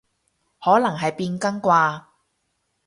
可能係交更啩